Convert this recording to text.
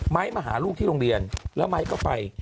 มาหาลูกที่โรงเรียนแล้วไม้ก็ไป